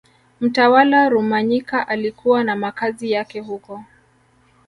Mtawala Rumanyika alikuwa na makazi yake huko